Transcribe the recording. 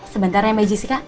sebentar ya mbak jessica